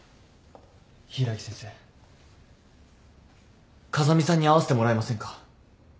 柊木先生風見さんに会わせてもらえませんか？